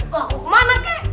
mau kemana kek